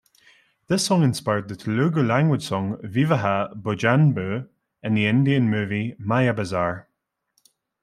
This song inspired the Telugu language song "Vivaha Bojanambu" in the Indian movie "Mayabazar.